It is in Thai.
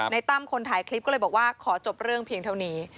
ตั้มคนถ่ายคลิปก็เลยบอกว่าขอจบเรื่องเพียงเท่านี้